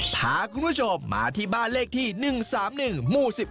พาคุณผู้ชมมาที่บ้านเลขที่๑๓๑หมู่๑๑